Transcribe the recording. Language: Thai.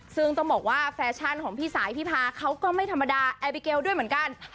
ซึ่งต้องบอกว่าแฟชั่นของพี่สายพี่พาเขาก็ไม่ธรรมดาแอร์บิเกลด้วยเหมือนกัน